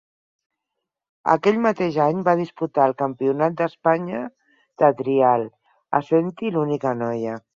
Aquell mateix any va disputar el Campionat d'Espanya de trial, essent-hi l'única noia.